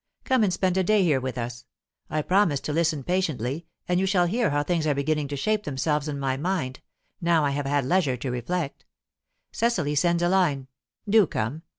Come and spend a day here with us; I promise to listen patiently, and you shall hear how things are beginning to shape themselves in my mind, now I have had leisure to reflect. Cecily sends a line. Do come.